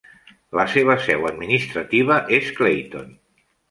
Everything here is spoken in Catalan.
La seva seu administrativa és Clayton.